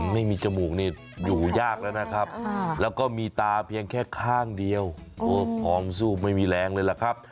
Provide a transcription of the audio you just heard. ไม่มีจมูกนี่อยู่ยากแล้วนะครับแล้วก็มีตาเพียงแค่ข้างเดียวตัวพองสู้ไม่มีแรงเลยล่ะครับ